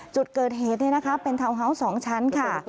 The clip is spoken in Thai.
จุดเกิดเหตุเป็นทาวน์ฮาวส์๒ชั้นค่ะ